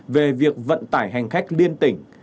về việc vận tải hành khách liên tỉnh